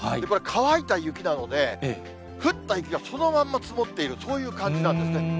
これ、乾いた雪なので、降った雪がそのまんま積もっている、そういう感じなんですね。